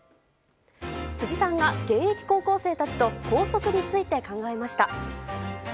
辻さんが、現役高校生たちと校則について考えました。